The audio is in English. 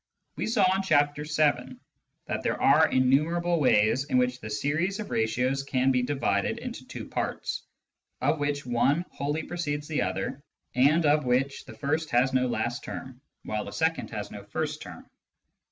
We saw in Chapter VII. that there are innumerable ways in which the series of ratios can be divided into two parts, of which one wholly precedes the other, and of which the first has no last term, Limits and Continuity 101 while the second has no first term.